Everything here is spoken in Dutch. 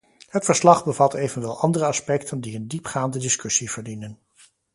Het verslag bevat evenwel andere aspecten die een diepgaande discussie verdienen.